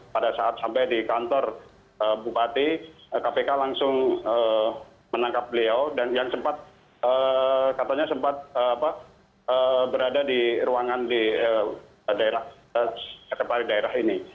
pada saat sampai di kantor bupati kpk langsung menangkap beliau yang sempat berada di ruangan di daerah ini